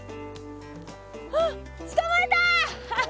あっつかまえた！ハハハ。